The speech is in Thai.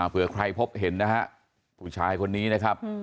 เพื่อใครพบเห็นนะฮะผู้ชายคนนี้นะครับ